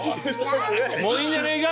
もういいんじゃねえか？